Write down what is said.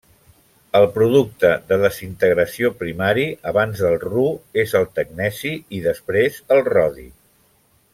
El producte de desintegració primari abans del Ru és el tecneci i després, el rodi.